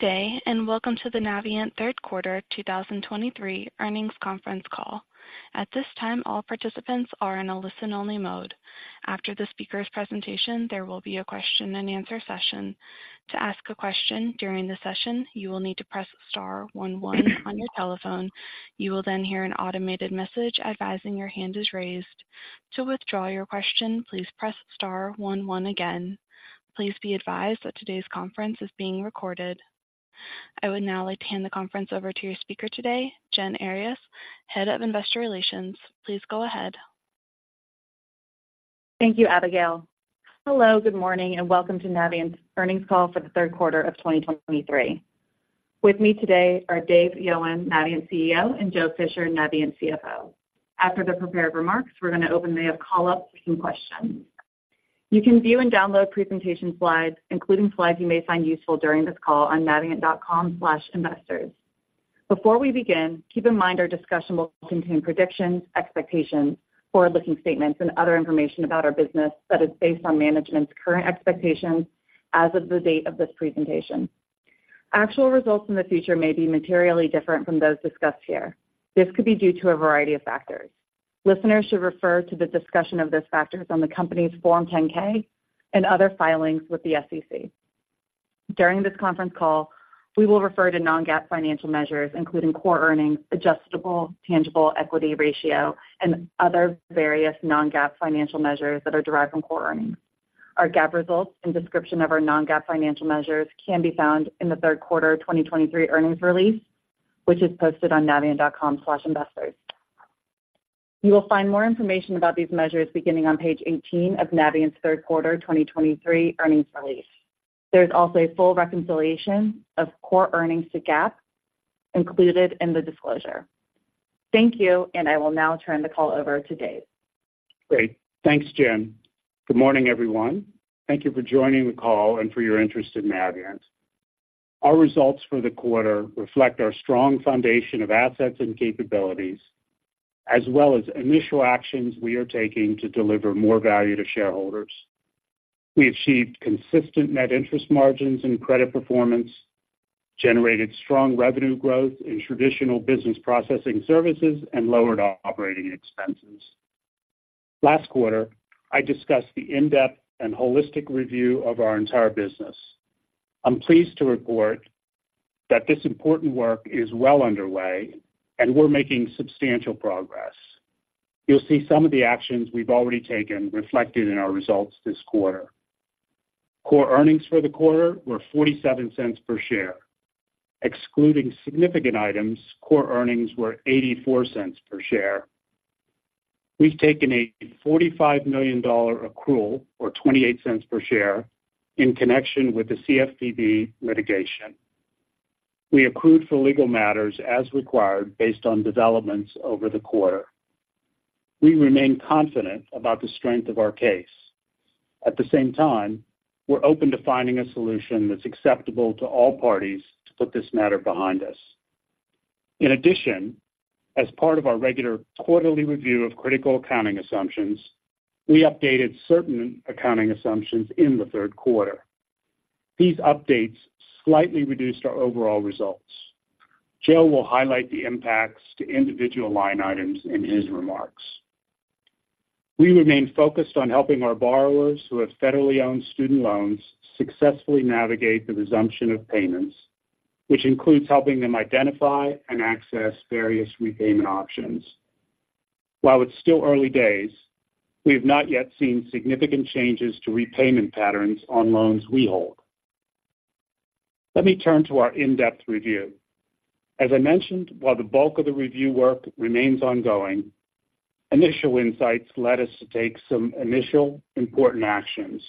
Good day, and welcome to the Navient third quarter 2023 earnings conference call. At this time, all participants are in a listen-only mode. After the speaker's presentation, there will be a question-and-answer session. To ask a question during the session, you will need to press star one one on your telephone. You will then hear an automated message advising your hand is raised. To withdraw your question, please press star one one again. Please be advised that today's conference is being recorded. I would now like to hand the conference over to your speaker today, Jen Earyes, Head of Investor Relations. Please go ahead. Thank you, Abigail. Hello, good morning, and welcome to Navient's earnings call for the third quarter of 2023. With me today are David Yowan, Navient CEO, and Joe Fisher, Navient CFO. After the prepared remarks, we're going to open the call up for some questions. You can view and download presentation slides, including slides you may find useful during this call on navient.com/investors. Before we begin, keep in mind our discussion will contain predictions, expectations, forward-looking statements, and other information about our business that is based on management's current expectations as of the date of this presentation. Actual results in the future may be materially different from those discussed here. This could be due to a variety of factors. Listeners should refer to the discussion of those factors on the company's Form 10-K and other filings with the SEC. During this conference call, we will refer to non-GAAP financial measures, including Core Earnings, Adjusted Tangible Equity Ratio, and other various non-GAAP financial measures that are derived from Core Earnings. Our GAAP results and description of our non-GAAP financial measures can be found in the third quarter of 2023 earnings release, which is posted on navient.com/investors. You will find more information about these measures beginning on page 18 of Navient's third quarter 2023 earnings release. There's also a full reconciliation of Core Earnings to GAAP included in the disclosure. Thank you, and I will now turn the call over to Dave. Great. Thanks, Jen. Good morning, everyone. Thank you for joining the call and for your interest in Navient. Our results for the quarter reflect our strong foundation of assets and capabilities, as well as initial actions we are taking to deliver more value to shareholders. We achieved consistent net interest margins and credit performance, generated strong revenue growth in traditional business processing services, and lowered operating expenses. Last quarter, I discussed the in-depth and holistic review of our entire business. I'm pleased to report that this important work is well underway, and we're making substantial progress. You'll see some of the actions we've already taken reflected in our results this quarter. Core Earnings for the quarter were $0.47 per share. Excluding significant items, Core Earnings were $0.84 per share. We've taken a $45 million accrual, or $0.28 per share, in connection with the CFPB litigation. We accrued for legal matters as required based on developments over the quarter. We remain confident about the strength of our case. At the same time, we're open to finding a solution that's acceptable to all parties to put this matter behind us. In addition, as part of our regular quarterly review of critical accounting assumptions, we updated certain accounting assumptions in the third quarter. These updates slightly reduced our overall results. Joe will highlight the impacts to individual line items in his remarks. We remain focused on helping our borrowers who have federally owned student loans successfully navigate the resumption of payments, which includes helping them identify and access various repayment options. While it's still early days, we have not yet seen significant changes to repayment patterns on loans we hold. Let me turn to our in-depth review. As I mentioned, while the bulk of the review work remains ongoing, initial insights led us to take some initial important actions.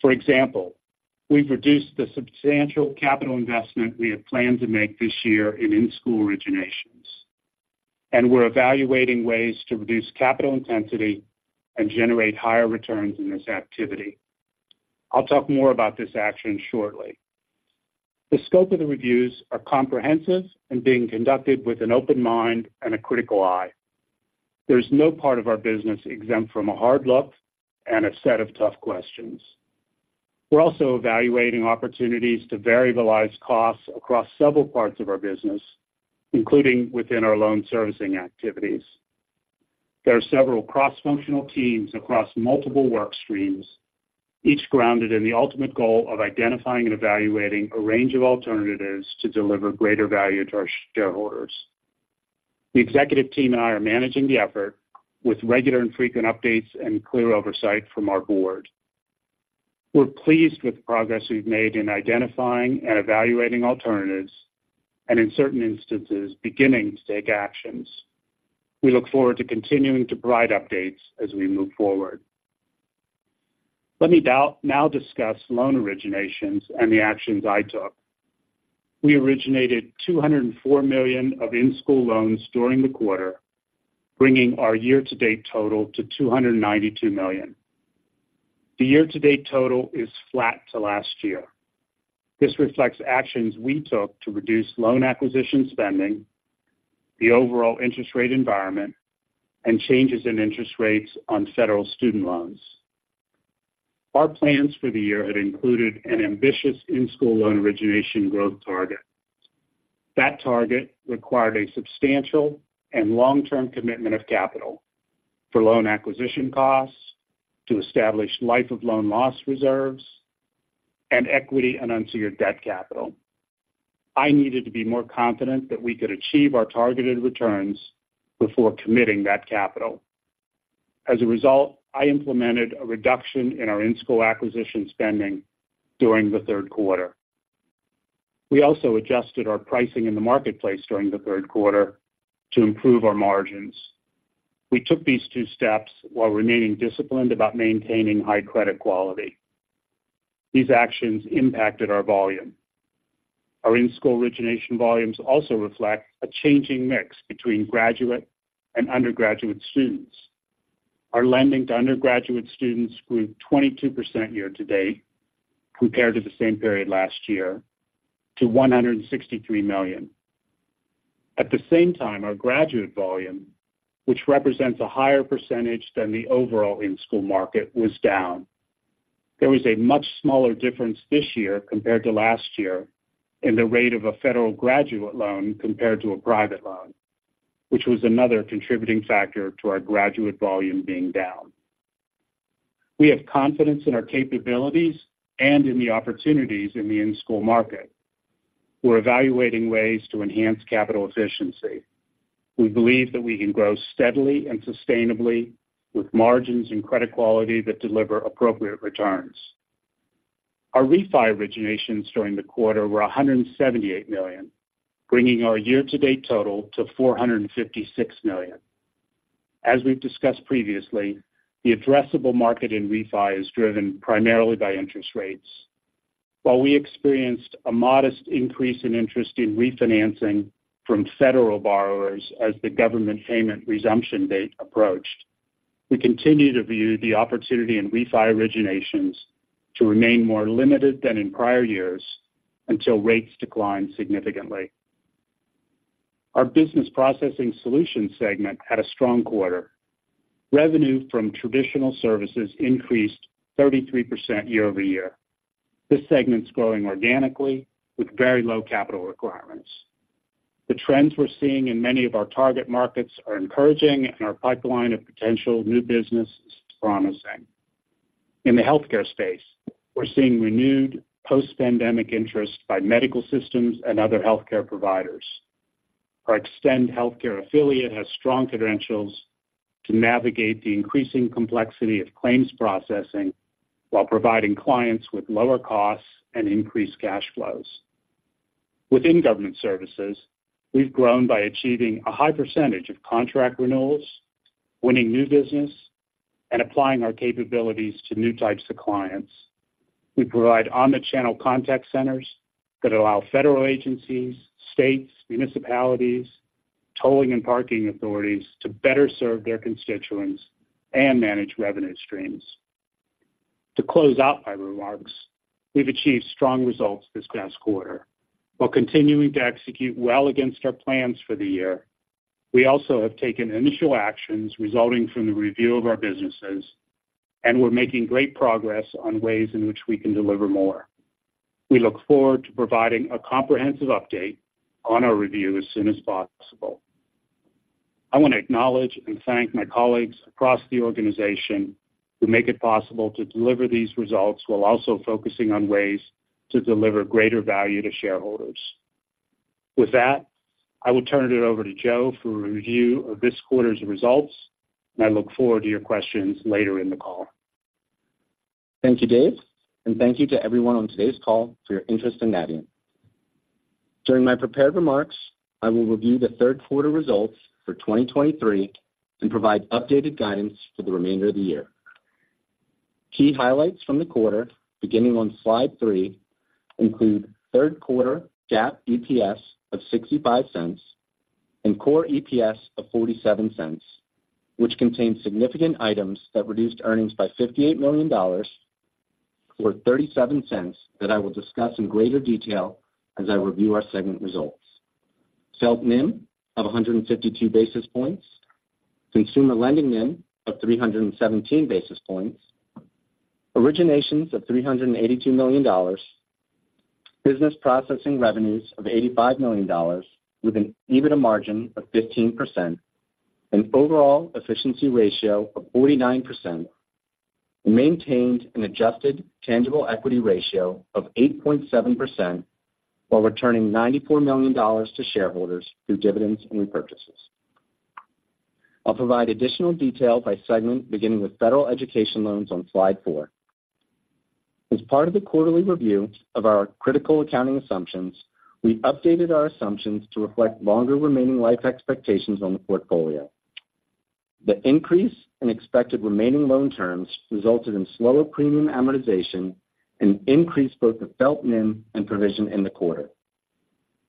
For example, we've reduced the substantial capital investment we had planned to make this year in in-school originations, and we're evaluating ways to reduce capital intensity and generate higher returns in this activity. I'll talk more about this action shortly. The scope of the reviews are comprehensive and being conducted with an open mind and a critical eye. There's no part of our business exempt from a hard look and a set of tough questions. We're also evaluating opportunities to variabilize costs across several parts of our business, including within our loan servicing activities. There are several cross-functional teams across multiple work streams, each grounded in the ultimate goal of identifying and evaluating a range of alternatives to deliver greater value to our shareholders. The executive team and I are managing the effort with regular and frequent updates and clear oversight from our board. We're pleased with the progress we've made in identifying and evaluating alternatives and in certain instances, beginning to take actions. We look forward to continuing to provide updates as we move forward. Let me now discuss loan originations and the actions I took. We originated $204 million of in-school loans during the quarter, bringing our year-to-date total to $292 million. The year-to-date total is flat to last year. This reflects actions we took to reduce loan acquisition spending, the overall interest rate environment, and changes in interest rates on federal student loans. Our plans for the year had included an ambitious in-school loan origination growth target. That target required a substantial and long-term commitment of capital for loan acquisition costs, to establish life of loan loss reserves, and equity and unsecured debt capital. I needed to be more confident that we could achieve our targeted returns before committing that capital. As a result, I implemented a reduction in our in-school acquisition spending during the third quarter. We also adjusted our pricing in the marketplace during the third quarter to improve our margins. We took these two steps while remaining disciplined about maintaining high credit quality. These actions impacted our volume. Our in-school origination volumes also reflect a changing mix between graduate and undergraduate students. Our lending to undergraduate students grew 22% year to date, compared to the same period last year, to $163 million. At the same time, our graduate volume, which represents a higher percentage than the overall in-school market, was down. There was a much smaller difference this year compared to last year in the rate of a federal graduate loan compared to a private loan, which was another contributing factor to our graduate volume being down. We have confidence in our capabilities and in the opportunities in the in-school market. We're evaluating ways to enhance capital efficiency. We believe that we can grow steadily and sustainably with margins and credit quality that deliver appropriate returns. Our refi originations during the quarter were $178 million, bringing our year-to-date total to $456 million. As we've discussed previously, the addressable market in refi is driven primarily by interest rates. While we experienced a modest increase in interest in refinancing from federal borrowers as the government payment resumption date approached, we continue to view the opportunity in refi originations to remain more limited than in prior years until rates decline significantly. Our Business Processing Solutions segment had a strong quarter. Revenue from traditional services increased 33% year-over-year. This segment is growing organically with very low capital requirements. The trends we're seeing in many of our target markets are encouraging, and our pipeline of potential new business is promising. In the healthcare space, we're seeing renewed post-pandemic interest by medical systems and other healthcare providers. Our Xtend Healthcare affiliate has strong credentials to navigate the increasing complexity of claims processing while providing clients with lower costs and increased cash flows. Within government services, we've grown by achieving a high percentage of contract renewals, winning new business, and applying our capabilities to new types of clients. We provide omnichannel contact centers that allow federal agencies, states, municipalities, tolling and parking authorities to better serve their constituents and manage revenue streams. To close out my remarks, we've achieved strong results this past quarter. While continuing to execute well against our plans for the year, we also have taken initial actions resulting from the review of our businesses, and we're making great progress on ways in which we can deliver more. We look forward to providing a comprehensive update on our review as soon as possible. I want to acknowledge and thank my colleagues across the organization who make it possible to deliver these results while also focusing on ways to deliver greater value to shareholders. With that, I will turn it over to Joe for a review of this quarter's results, and I look forward to your questions later in the call. Thank you, Dave, and thank you to everyone on today's call for your interest in Navient. During my prepared remarks, I will review the third quarter results for 2023 and provide updated guidance for the remainder of the year. Key highlights from the quarter, beginning on slide three, include third quarter GAAP EPS of $0.65 and core EPS of $0.47, which contains significant items that reduced earnings by $58 million, or $0.37, that I will discuss in greater detail as I review our segment results. FFELP NIM of 152 basis points, Consumer Lending NIM of 317 basis points, originations of $382 million, business processing revenues of $85 million with an EBITDA margin of 15%, an overall efficiency ratio of 49%, and maintained an adjusted tangible equity ratio of 8.7%, while returning $94 million to shareholders through dividends and repurchases. I'll provide additional detail by segment, beginning with Federal Education Loans on slide four. As part of the quarterly review of our critical accounting assumptions, we updated our assumptions to reflect longer remaining life expectations on the portfolio. The increase in expected remaining loan terms resulted in slower premium amortization and increased both the FFELP NIM and provision in the quarter.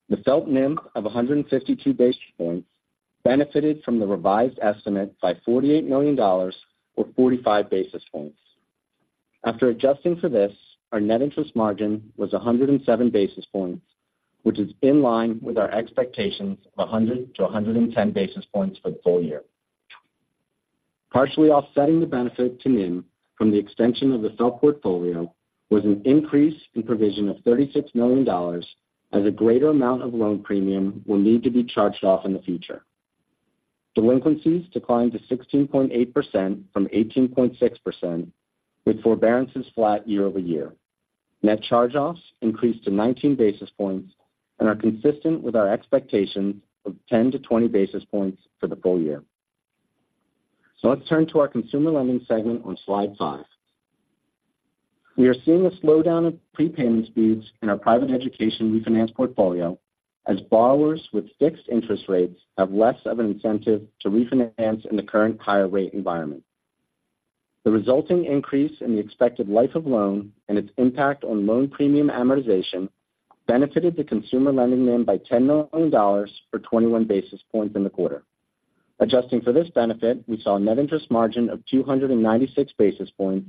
The FFELP NIM of 152 basis points benefited from the revised estimate by $48 million, or 45 basis points. After adjusting for this, our net interest margin was 107 basis points, which is in line with our expectations of 100-110 basis points for the full year. Partially offsetting the benefit to NIM from the extension of the FFELP portfolio was an increase in provision of $36 million, as a greater amount of loan premium will need to be charged off in the future. Delinquencies declined to 16.8% from 18.6%, with forbearances flat year-over-year. Net charge-offs increased to 19 basis points and are consistent with our expectations of 10-20 basis points for the full year. Let's turn to our Consumer Lending segment on slide five. We are seeing a slowdown of prepayment speeds in our private education refinance portfolio, as borrowers with fixed interest rates have less of an incentive to refinance in the current higher rate environment. The resulting increase in the expected life of loan and its impact on loan premium amortization benefited the Consumer Lending NIM by $10 million for 21 basis points in the quarter. Adjusting for this benefit, we saw a net interest margin of 296 basis points,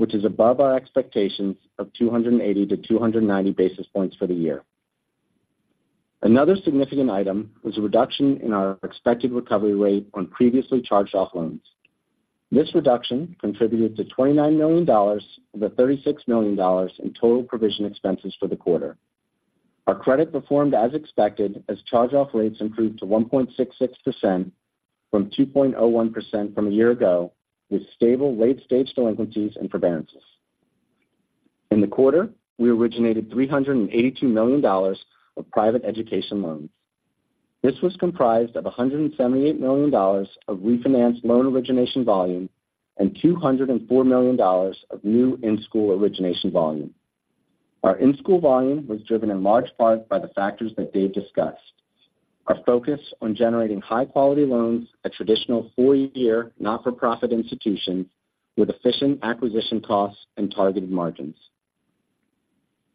which is above our expectations of 280-290 basis points for the year. Another significant item was a reduction in our expected recovery rate on previously charged-off loans. This reduction contributed to $29 million of the $36 million in total provision expenses for the quarter. Our credit performed as expected, as charge-off rates improved to 1.66% from 2.01% from a year ago, with stable late-stage delinquencies and forbearances. In the quarter, we originated $382 million of private education loans. This was comprised of $178 million of refinanced loan origination volume and $204 million of new in-school origination volume. Our in-school volume was driven in large part by the factors that Dave discussed. Our focus on generating high-quality loans at traditional four year, not-for-profit institutions with efficient acquisition costs and targeted margins.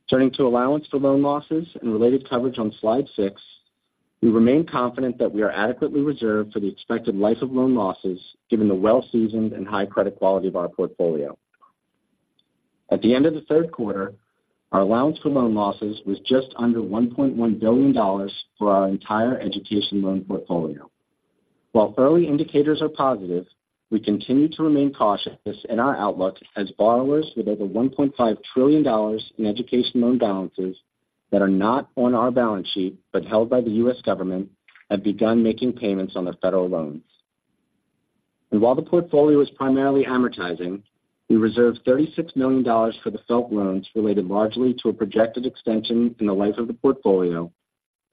Turning to allowance for loan losses and related coverage on slide six, we remain confident that we are adequately reserved for the expected life of loan losses, given the well-seasoned and high credit quality of our portfolio. At the end of the third quarter, our allowance for loan losses was just under $1.1 billion for our entire education loan portfolio. While early indicators are positive, we continue to remain cautious in our outlook as borrowers with over $1.5 trillion in education loan balances that are not on our balance sheet but held by the U.S. government, have begun making payments on their federal loans. And while the portfolio is primarily amortizing, we reserved $36 million for the FFELP loans, related largely to a projected extension in the life of the portfolio,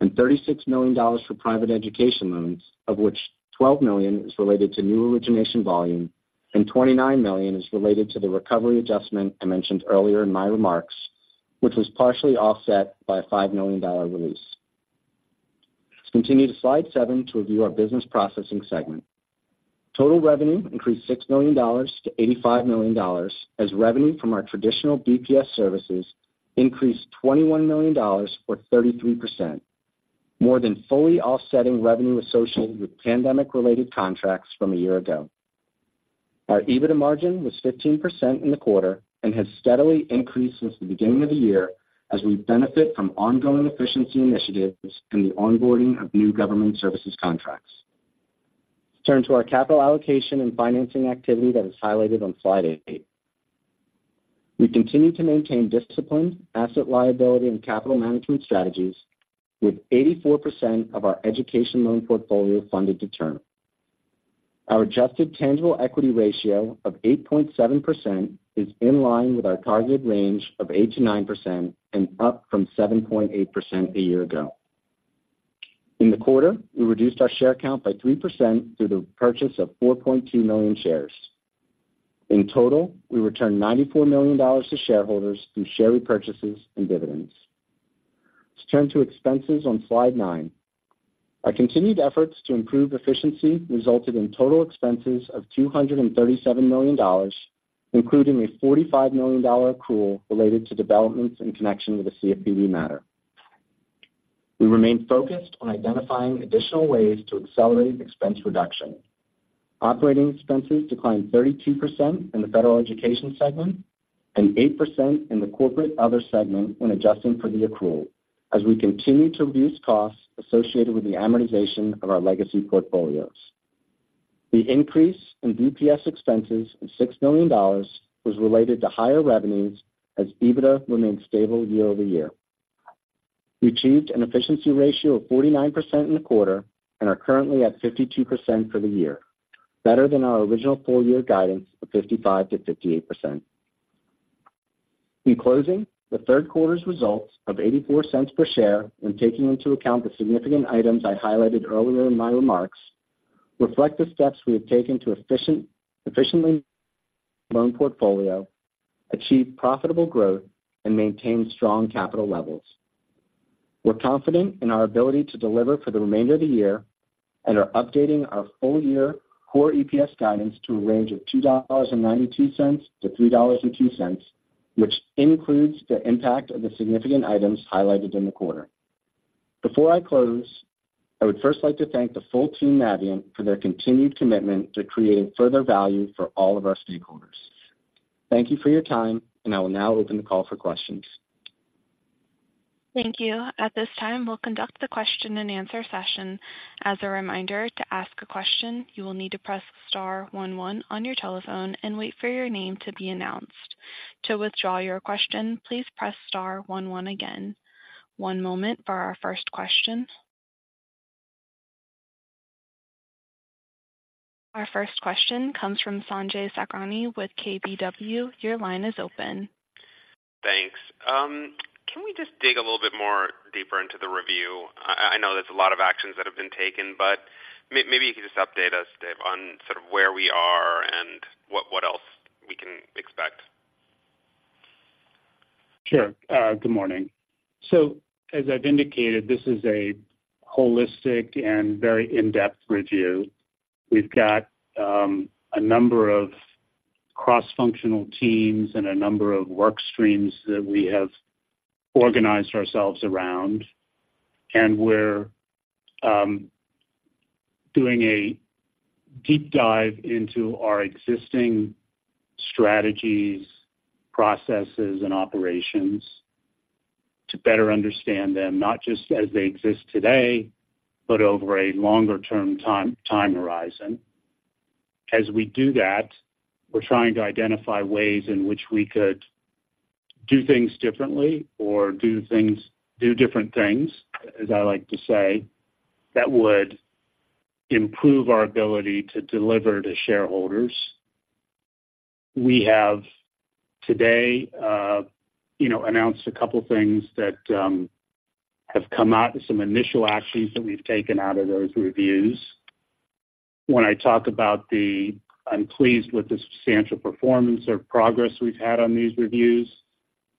and $36 million for private education loans, of which $12 million is related to new origination volume and $29 million is related to the recovery adjustment I mentioned earlier in my remarks, which was partially offset by a $5 million release. Let's continue to slide seven to review our business processing segment. Total revenue increased $6 million to $85 million, as revenue from our traditional BPS services increased $21 million or 33%, more than fully offsetting revenue associated with pandemic-related contracts from a year ago. Our EBITDA margin was 15% in the quarter and has steadily increased since the beginning of the year as we benefit from ongoing efficiency initiatives and the onboarding of new government services contracts. Let's turn to our capital allocation and financing activity that is highlighted on slide eight. We continue to maintain disciplined asset liability and capital management strategies, with 84% of our education loan portfolio funded to term. Our Adjusted Tangible Equity Ratio of 8.7% is in line with our targeted range of 8%-9% and up from 7.8% a year ago. In the quarter, we reduced our share count by 3% through the purchase of 4.2 million shares. In total, we returned $94 million to shareholders through share repurchases and dividends. Let's turn to expenses on slide nine. Our continued efforts to improve efficiency resulted in total expenses of $237 million, including a $45 million accrual related to developments in connection with the CFPB matter. We remain focused on identifying additional ways to accelerate expense reduction. Operating expenses declined 32% in the federal education segment and 8% in the corporate other segment when adjusting for the accrual, as we continue to reduce costs associated with the amortization of our legacy portfolios. The increase in BPS expenses of $6 million was related to higher revenues, as EBITDA remained stable year-over-year. We achieved an efficiency ratio of 49% in the quarter and are currently at 52% for the year, better than our original full year guidance of 55%-58%. In closing, the third quarter's results of $0.84 per share, when taking into account the significant items I highlighted earlier in my remarks, reflect the steps we have taken to efficiently manage our loan portfolio, achieve profitable growth, and maintain strong capital levels. We're confident in our ability to deliver for the remainder of the year and are updating our full-year core EPS guidance to a range of $2.92-$3.02, which includes the impact of the significant items highlighted in the quarter. Before I close, I would first like to thank the full team Navient for their continued commitment to creating further value for all of our stakeholders. Thank you for your time, and I will now open the call for questions. Thank you. At this time, we'll conduct the question and answer session. As a reminder, to ask a question, you will need to press star one one on your telephone and wait for your name to be announced. To withdraw your question, please press star one one again. One moment for our first question. Our first question comes from Sanjay Sakhrani with KBW. Your line is open. Thanks. Can we just dig a little bit more deeper into the review? I know there's a lot of actions that have been taken, but maybe you can just update us, Dave, on sort of where we are and what else we can expect. Sure. Good morning. So as I've indicated, this is a holistic and very in-depth review. We've got a number of cross-functional teams and a number of work streams that we have organized ourselves around, and we're doing a deep dive into our existing strategies, processes, and operations to better understand them, not just as they exist today, but over a longer-term time horizon. As we do that, we're trying to identify ways in which we could do things differently or do different things, as I like to say, that would improve our ability to deliver to shareholders. We have today, you know, announced a couple things that have come out, some initial actions that we've taken out of those reviews. When I talk about, I'm pleased with the substantial performance or progress we've had on these reviews,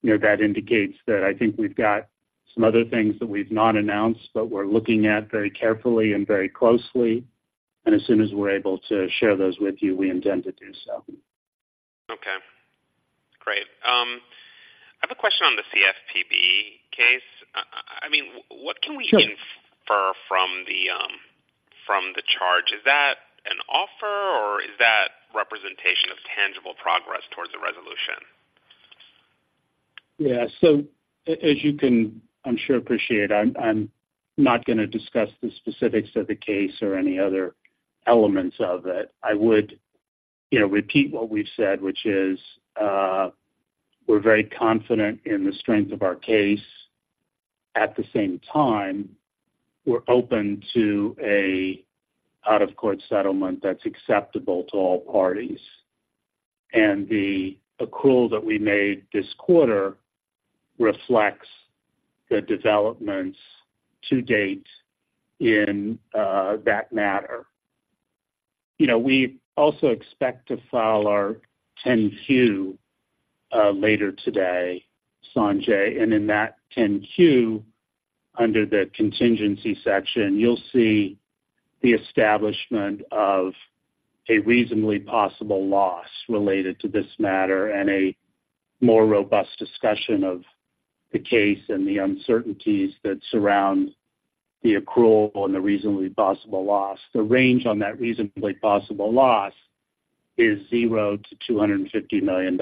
you know, that indicates that I think we've got some other things that we've not announced, but we're looking at very carefully and very closely, and as soon as we're able to share those with you, we intend to do so. Okay, great. I have a question on the CFPB case. I mean, what can we Sure from the charge? Is that an offer, or is that representation of tangible progress towards a resolution? Yeah. So as you can, I'm sure, appreciate, I'm, I'm not gonna discuss the specifics of the case or any other elements of it. I would, you know, repeat what we've said, which is, we're very confident in the strength of our case. At the same time, we're open to a out-of-court settlement that's acceptable to all parties, and the accrual that we made this quarter reflects the developments to date in, that matter. You know, we also expect to file our 10-Q later today, Sanjay, and in that 10-Q, under the contingency section, you'll see the establishment of a reasonably possible loss related to this matter and a more robust discussion of the case and the uncertainties that surround the accrual and the reasonably possible loss. The range on that reasonably possible loss is $0-$250 million.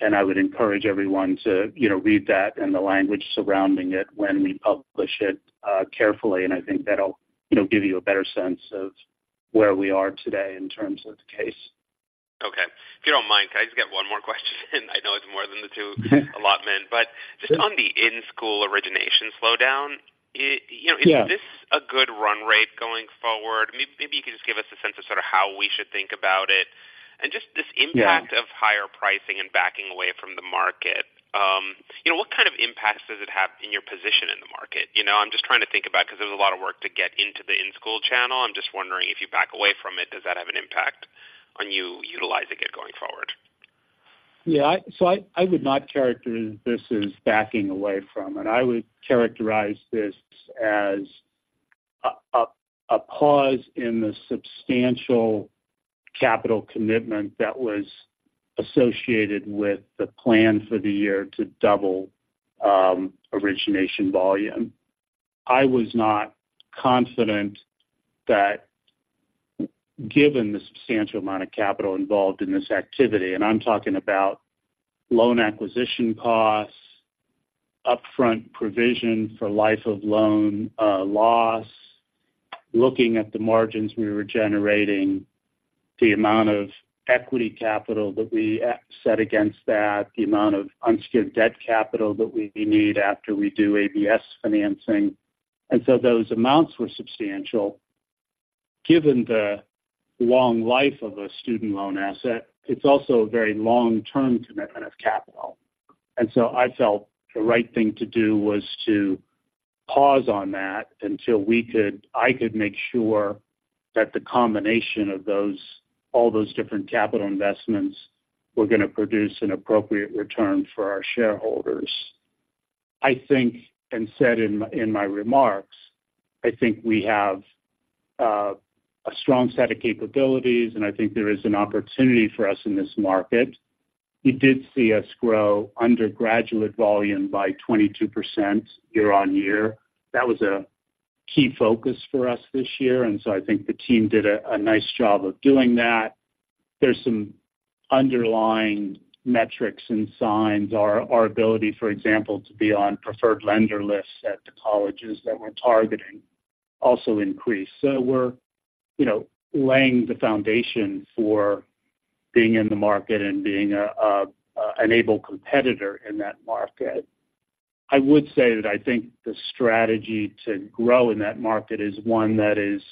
And I would encourage everyone to, you know, read that and the language surrounding it when we publish it, carefully, and I think that'll, you know, give you a better sense of where we are today in terms of the case. Okay. If you don't mind, can I just get one more question? I know it's more than the two allotment. Sure. But just on the in-school origination slowdown, you know- Yeah... is this a good run rate going forward? Maybe you can just give us a sense of sort of how we should think about it. And just this impact- Yeah -of higher pricing and backing away from the market, you know, what kind of impact does it have in your position in the market? You know, I'm just trying to think about, 'cause there's a lot of work to get into the in-school channel. I'm just wondering, if you back away from it, does that have an impact on you utilizing it going forward? Yeah, so I would not characterize this as backing away from it. I would characterize this as a pause in the substantial capital commitment that was associated with the plan for the year to double origination volume. I was not confident that given the substantial amount of capital involved in this activity, and I'm talking about loan acquisition costs, upfront provision for life of loan loss, looking at the margins we were generating, the amount of equity capital that we set against that, the amount of unsecured debt capital that we need after we do ABS financing. And so those amounts were substantial. Given the long life of a student loan asset, it's also a very long-term commitment of capital. I felt the right thing to do was to pause on that until I could make sure that the combination of those, all those different capital investments, were gonna produce an appropriate return for our shareholders. I think, and said in my remarks, I think we have a strong set of capabilities, and I think there is an opportunity for us in this market. You did see us grow undergraduate volume by 22% year-on-year. That was a key focus for us this year, and so I think the team did a nice job of doing that. There's some underlying metrics and signs. Our ability, for example, to be on preferred lender lists at the colleges that we're targeting also increased. So we're, you know, laying the foundation for being in the market and being a, an able competitor in that market. I would say that I think the strategy to grow in that market is one that is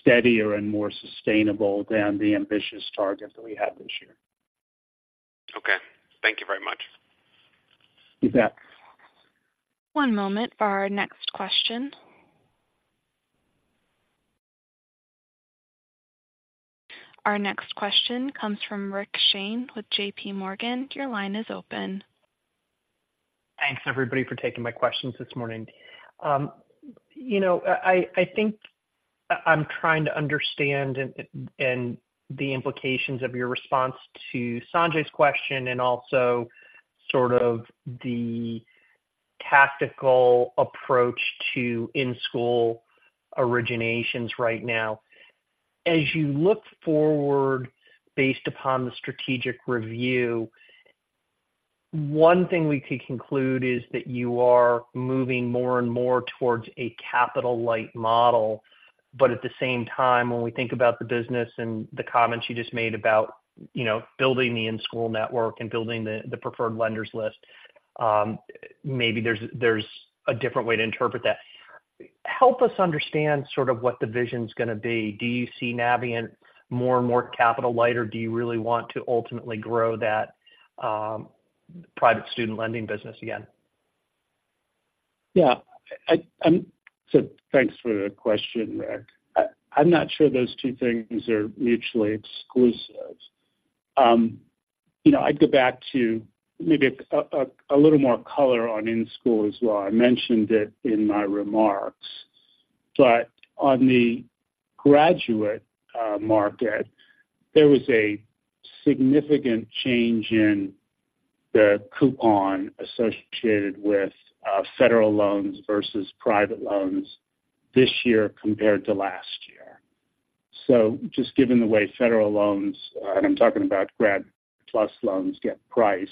steadier and more sustainable than the ambitious target that we had this year. Okay, thank you very much. You bet. One moment for our next question. Our next question comes from Rick Shane with JPMorgan. Your line is open. Thanks, everybody, for taking my questions this morning. You know, I think I'm trying to understand and the implications of your response to Sanjay's question and also sort of the tactical approach to in-school originations right now. As you look forward, based upon the strategic review, one thing we could conclude is that you are moving more and more towards a capital-light model. But at the same time, when we think about the business and the comments you just made about, you know, building the in-school network and building the preferred lenders list, maybe there's a different way to interpret that. Help us understand sort of what the vision's going to be. Do you see Navient more and more capital light, or do you really want to ultimately grow that private student lending business again? Yeah, I'm so thanks for the question, Rick. I'm not sure those two things are mutually exclusive. You know, I'd go back to maybe a little more color on in-school as well. I mentioned it in my remarks, but on the graduate market, there was a significant change in the coupon associated with federal loans versus private loans this year compared to last year. So just given the way federal loans, and I'm talking about Grad PLUS loans, get priced,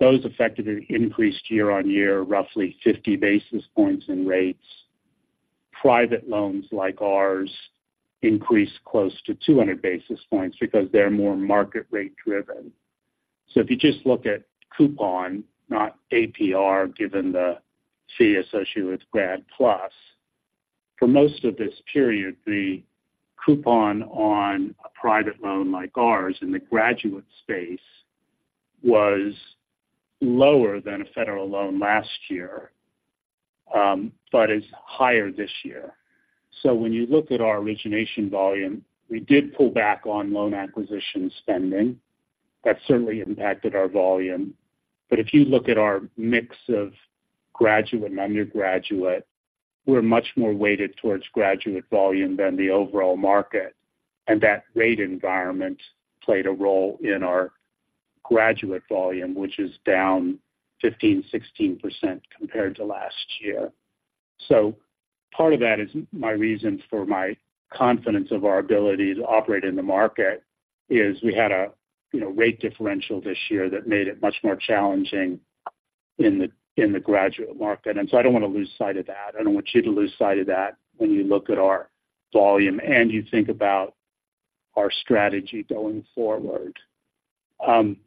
those effectively increased year-on-year, roughly 50 basis points in rates. Private loans like ours increased close to 200 basis points because they're more market rate driven. So if you just look at coupon, not APR, given the fee associated with Grad PLUS, for most of this period, the coupon on a private loan like ours in the graduate space was lower than a federal loan last year, but is higher this year. So when you look at our origination volume, we did pull back on loan acquisition spending. That certainly impacted our volume. But if you look at our mix of graduate and undergraduate, we're much more weighted towards graduate volume than the overall market, and that rate environment played a role in our graduate volume, which is down 15%-16% compared to last year. So part of that is my reason for my confidence of our ability to operate in the market, is we had a, you know, rate differential this year that made it much more challenging in the graduate market. And so I don't want to lose sight of that. I don't want you to lose sight of that when you look at our volume, and you think about our strategy going forward. You know, we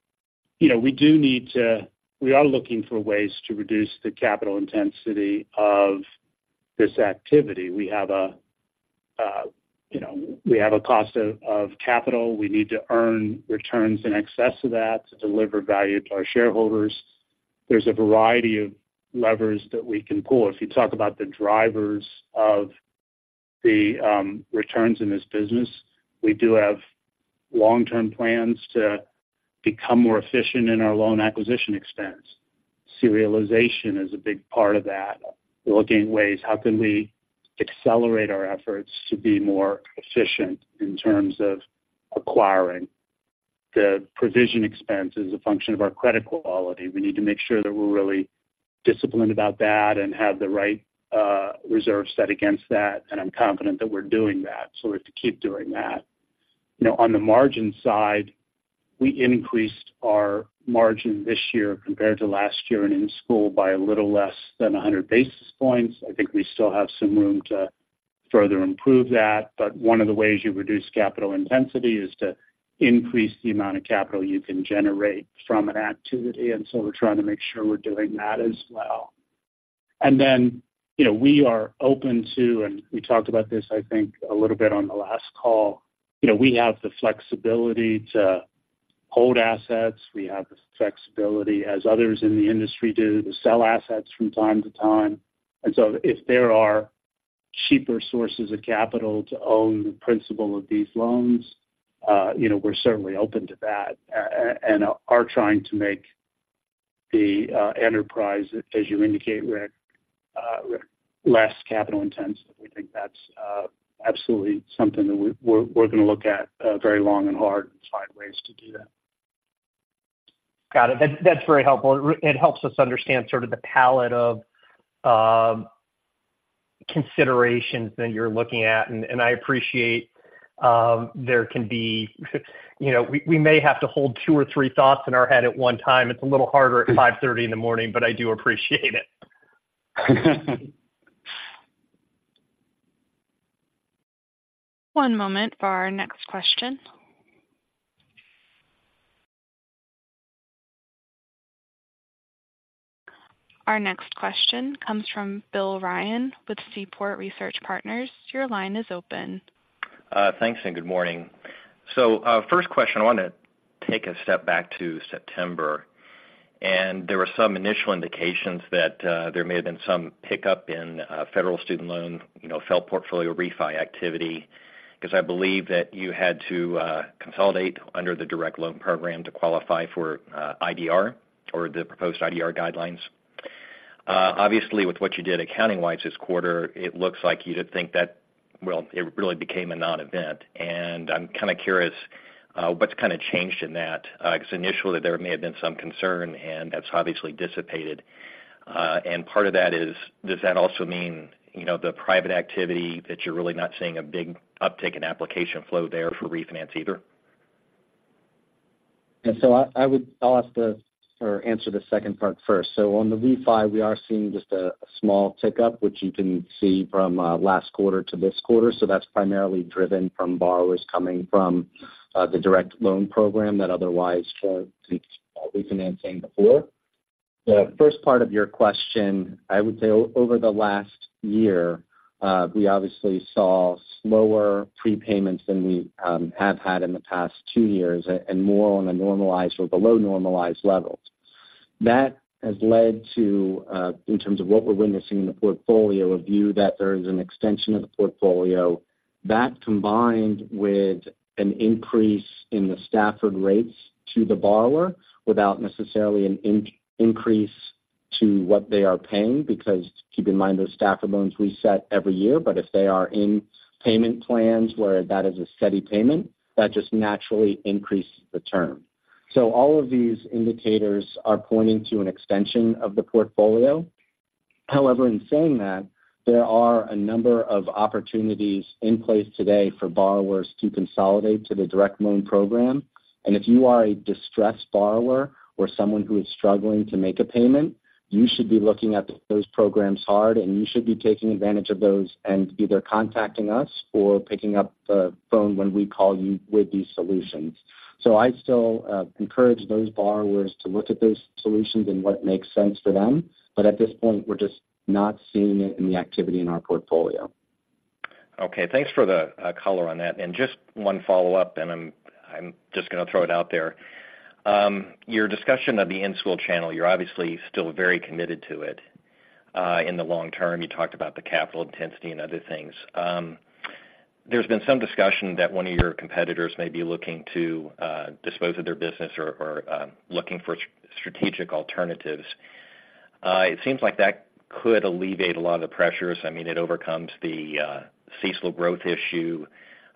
do need to. We are looking for ways to reduce the capital intensity of this activity. We have a, you know, we have a cost of capital. We need to earn returns in excess of that to deliver value to our shareholders. There's a variety of levers that we can pull. If you talk about the drivers of the returns in this business, we do have long-term plans to become more efficient in our loan acquisition expense. Serialization is a big part of that. We're looking at ways, how can we accelerate our efforts to be more efficient in terms of acquiring? The provision expense is a function of our credit quality. We need to make sure that we're really disciplined about that and have the right reserves set against that, and I'm confident that we're doing that, so we have to keep doing that. You know, on the margin side, we increased our margin this year compared to last year and in school by a little less than 100 basis points. I think we still have some room to further improve that, but one of the ways you reduce capital intensity is to increase the amount of capital you can generate from an activity, and so we're trying to make sure we're doing that as well. And then, you know, we are open to, and we talked about this, I think, a little bit on the last call, you know, we have the flexibility to hold assets. We have the flexibility, as others in the industry do, to sell assets from time to time. And so if there are cheaper sources of capital to own the principle of these loans, you know, we're certainly open to that, and are trying to make the enterprise, as you indicate, Rick, less capital intensive. We think that's absolutely something that we're gonna look at very long and hard and find ways to do that. Got it. That's very helpful. It helps us understand sort of the palette of considerations that you're looking at. And I appreciate there can be, you know, we may have to hold two or three thoughts in our head at one time. It's a little harder at 5:30 A.M., but I do appreciate it. One moment for our next question. Our next question comes from Bill Ryan with Seaport Research Partners. Your line is open. Thanks, and good morning. So, first question, I want to take a step back to September, and there were some initial indications that there may have been some pickup in federal student loan, you know, FFEL portfolio refi activity, 'cause I believe that you had to consolidate under the Direct Loan Program to qualify for IDR or the proposed IDR guidelines. Obviously, with what you did accounting-wise this quarter, it looks like you'd think that, well, it really became a non-event. And I'm kind of curious, what's kind of changed in that? 'Cause initially there may have been some concern, and that's obviously dissipated. And part of that is, does that also mean, you know, the private activity, that you're really not seeing a big uptick in application flow there for refinance either? Yeah, so I would—I'll answer the second part first. So on the refi, we are seeing just a small tick-up, which you can see from last quarter to this quarter. So that's primarily driven from borrowers coming from the Direct Loan Program that otherwise weren't refinancing before. The first part of your question, I would say over the last year, we obviously saw slower prepayments than we have had in the past two years, and more on the normalized or below normalized levels. That has led to, in terms of what we're witnessing in the portfolio, a view that there is an extension of the portfolio. That, combined with an increase in the Stafford rates to the borrower without necessarily an increase to what they are paying, because keep in mind, those Stafford loans reset every year, but if they are in payment plans where that is a steady payment, that just naturally increases the term. So all of these indicators are pointing to an extension of the portfolio. However, in saying that, there are a number of opportunities in place today for borrowers to consolidate to the Direct Loan Program. And if you are a distressed borrower or someone who is struggling to make a payment, you should be looking at those programs hard, and you should be taking advantage of those and either contacting us or picking up the phone when we call you with these solutions. So I'd still encourage those borrowers to look at those solutions and what makes sense for them. But at this point, we're just not seeing it in the activity in our portfolio. Okay, thanks for the color on that. And just one follow-up, and I'm just gonna throw it out there. Your discussion of the in-school channel, you're obviously still very committed to it in the long term. You talked about the capital intensity and other things. There's been some discussion that one of your competitors may be looking to dispose of their business or looking for strategic alternatives. It seems like that could alleviate a lot of the pressures. I mean, it overcomes the secular growth issue.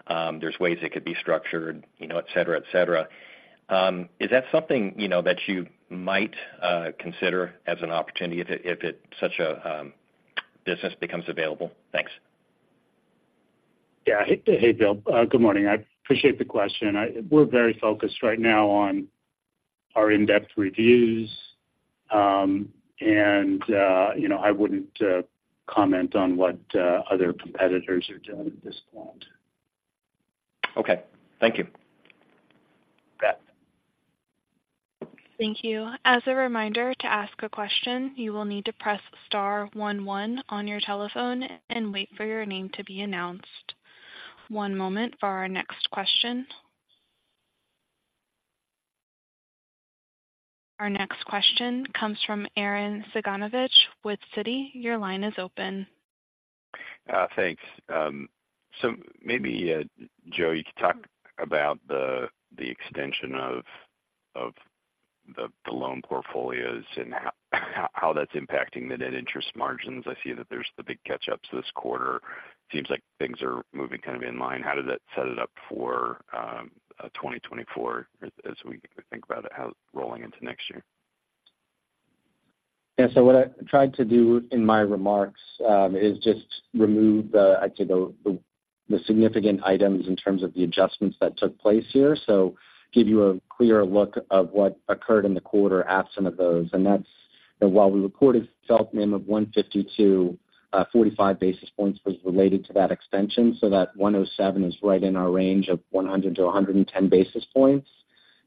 There's ways it could be structured, you know, etc, etc. Is that something, you know, that you might consider as an opportunity if such a business becomes available? Thanks. Yeah. Hey, Bill. Good morning. I appreciate the question. I -- We're very focused right now on our in-depth reviews. And, you know, I wouldn't comment on what other competitors are doing at this point. Okay, thank you. You bet. Thank you. As a reminder, to ask a question, you will need to press star one one on your telephone and wait for your name to be announced. One moment for our next question. Our next question comes from Arren Cyganovich with Citi. Your line is open. Thanks. So maybe, Joe, you could talk about the extension of the loan portfolios and how that's impacting the net interest margins. I see that there's the big catch-ups this quarter. Seems like things are moving kind of in line. How does that set it up for 2024, as we think about it, how it's rolling into next year? Yeah. So what I tried to do in my remarks is just remove the, I'd say, the significant items in terms of the adjustments that took place here. So give you a clearer look of what occurred in the quarter at some of those. And that's while we recorded FFELP NIM of 152, 45 basis points was related to that extension, so that 107 is right in our range of 100-110 basis points.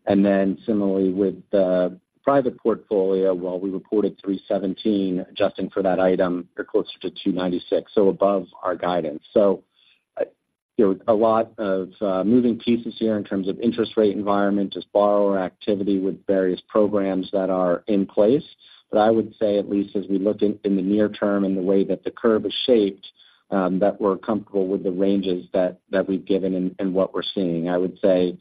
And then similarly, with the private portfolio, while we reported 317, adjusting for that item, you're closer to 296, so above our guidance. So, you know, a lot of moving pieces here in terms of interest rate environment, just borrower activity with various programs that are in place. But I would say, at least as we look in the near term and the way that the curve is shaped, that we're comfortable with the ranges that we've given and what we're seeing. I would say,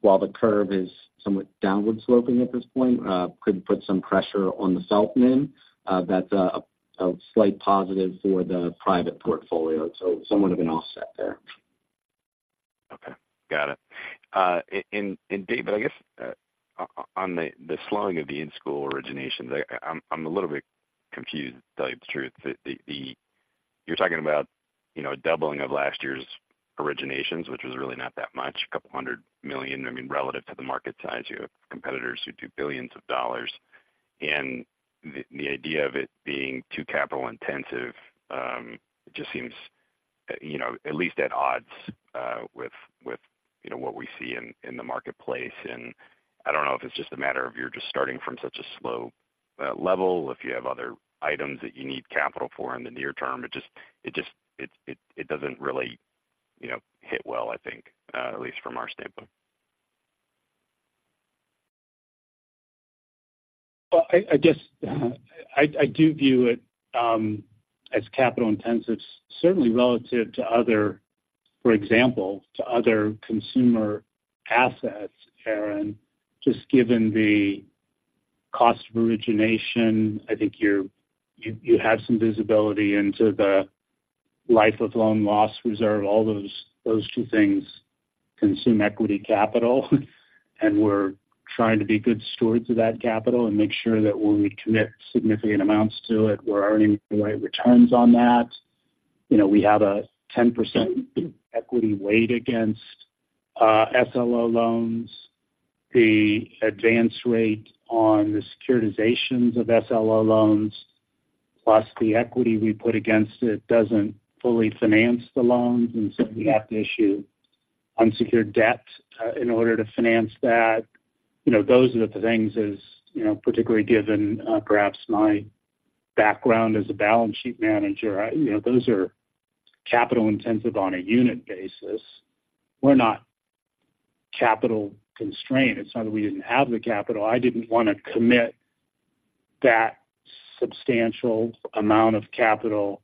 while the curve is somewhat downward sloping at this point, could put some pressure on the FFELP NIM, that's a slight positive for the private portfolio, so somewhat of an offset there. Okay, got it. And David, I guess, on the slowing of the in-school originations, I'm a little bit confused, to tell you the truth. The, you're talking about, you know, a doubling of last year's originations, which was really not that much, $200 million. I mean, relative to the market size, you have competitors who do billions of dollars. And the idea of it being too capital intensive just seems, you know, at least at odds with what we see in the marketplace. And I don't know if it's just a matter of you're just starting from such a slow level, if you have other items that you need capital for in the near term. It just doesn't really, you know, hit well, I think, at least from our standpoint. Well, I guess I do view it as capital intensive, certainly relative to other, for example, other consumer assets, Aaron. Just given the cost of origination, I think you have some visibility into the life of loan loss reserve. All those two things consume equity capital, and we're trying to be good stewards of that capital and make sure that when we commit significant amounts to it, we're earning the right returns on that. You know, we have a 10% equity weight against SLO loans. The advance rate on the securitizations of SLO loans, plus the equity we put against it, doesn't fully finance the loans, and so we have to issue unsecured debt in order to finance that. You know, those are the things, as you know, particularly given perhaps my background as a balance sheet manager, I, you know, those are capital intensive on a unit basis. We're not capital constrained. It's not that we didn't have the capital. I didn't want to commit that substantial amount of capital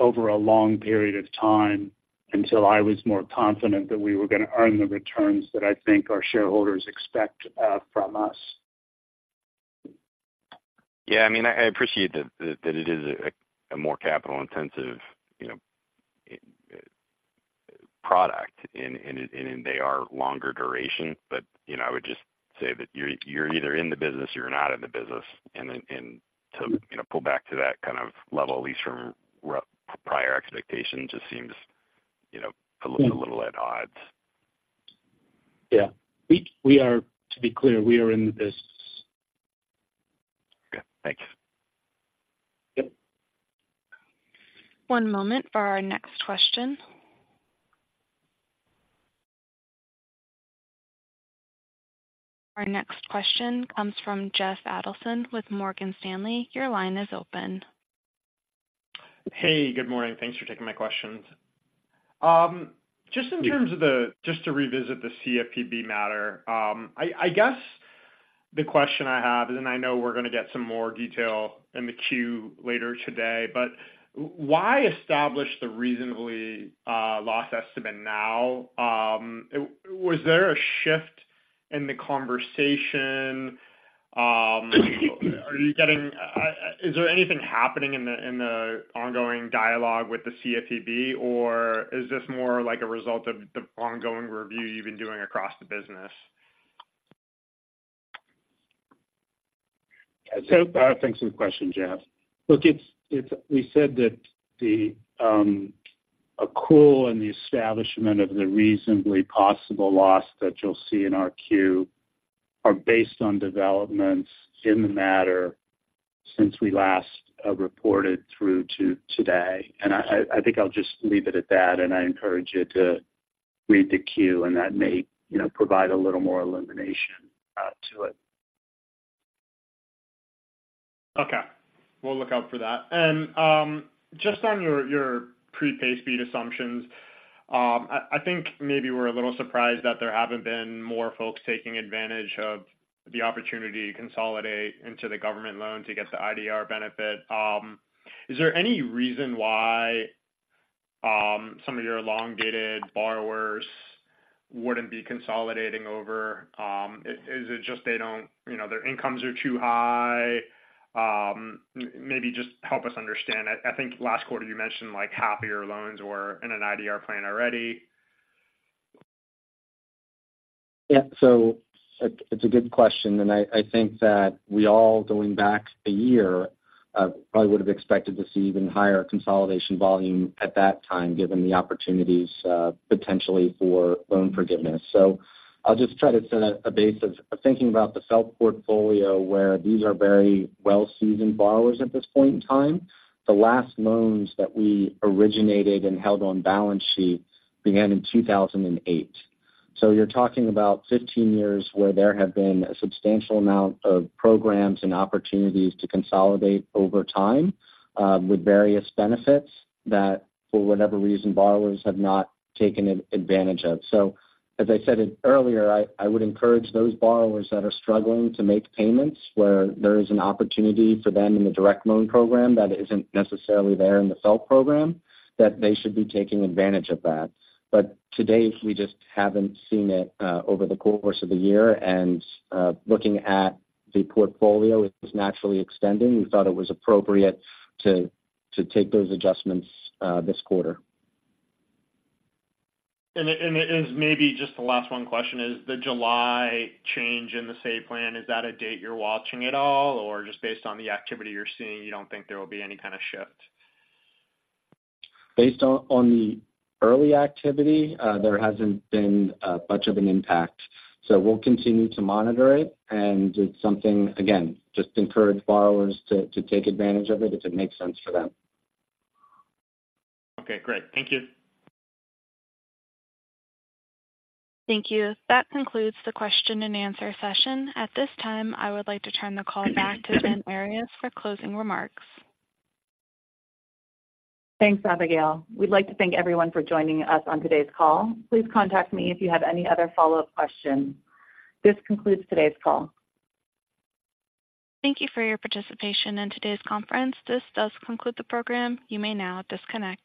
over a long period of time until I was more confident that we were going to earn the returns that I think our shareholders expect from us. Yeah, I mean, I appreciate that it is a more capital-intensive, you know, product, and they are longer duration. But, you know, I would just say that you're either in the business or you're not in the business. And then to, you know, pull back to that kind of level, at least from our prior expectations, just seems, you know, a little at odds. Yeah. We, we are, to be clear, we are in the business. Okay, thanks. Yep. One moment for our next question. Our next question comes from Jeff Adelson with Morgan Stanley. Your line is open. Hey, good morning. Thanks for taking my questions. Just in terms of just to revisit the CFPB matter, I guess the question I have, and I know we're going to get some more detail in the queue later today, but why establish the reasonable loss estimate now? Was there a shift in the conversation? Are you getting... Is there anything happening in the ongoing dialogue with the CFPB, or is this more like a result of the ongoing review you've been doing across the business? So, thanks for the question, Jeff. Look, it's, we said that the accrual and the establishment of the reasonably possible loss that you'll see in our queue are based on developments in the matter since we last reported through to today. And I think I'll just leave it at that, and I encourage you to read the queue, and that may, you know, provide a little more illumination to it. Okay. We'll look out for that. And, just on your prepay speed assumptions, I think maybe we're a little surprised that there haven't been more folks taking advantage of the opportunity to consolidate into the government loan to get the IDR benefit. Is there any reason why some of your long-dated borrowers wouldn't be consolidating over? Is it just they don't, you know, their incomes are too high? Maybe just help us understand. I think last quarter you mentioned, like, half of your loans were in an IDR plan already. Yeah. So it's a good question, and I think that we all, going back a year, probably would have expected to see even higher consolidation volume at that time, given the opportunities potentially for loan forgiveness. So I'll just try to set a base of thinking about the FFELP portfolio, where these are very well-seasoned borrowers at this point in time. The last loans that we originated and held on balance sheet began in 2008. So you're talking about 15 years where there have been a substantial amount of programs and opportunities to consolidate over time, with various benefits that, for whatever reason, borrowers have not taken advantage of. As I said it earlier, I would encourage those borrowers that are struggling to make payments, where there is an opportunity for them in the direct loan program that isn't necessarily there in the FFELP program, that they should be taking advantage of that. But to date, we just haven't seen it over the course of the year. Looking at the portfolio, it was naturally extending. We thought it was appropriate to take those adjustments this quarter. And then, as maybe just the last one question is, the July change in the SAVE Plan, is that a date you're watching at all? Or just based on the activity you're seeing, you don't think there will be any kind of shift? Based on the early activity, there hasn't been much of an impact, so we'll continue to monitor it. And it's something, again, just encourage borrowers to take advantage of it if it makes sense for them. Okay, great. Thank you. Thank you. That concludes the question and answer session. At this time, I would like to turn the call back to Jen Earyes for closing remarks. Thanks, Abigail. We'd like to thank everyone for joining us on today's call. Please contact me if you have any other follow-up questions. This concludes today's call. Thank you for your participation in today's conference. This does conclude the program. You may now disconnect.